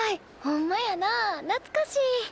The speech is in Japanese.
ほんまやなあなつかしい。